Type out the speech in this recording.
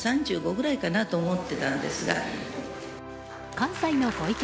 関西のご意見